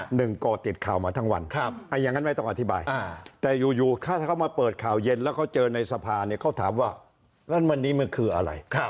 หนึ่งก็ติดข่าวมาทั้งวันยังไงต้องอธิบายแต่อยู่เขามาเปิดข่าวเย็นแล้วเขาเจอในสภาเนี่ยเขาถามว่าวันนี้มันคืออะไร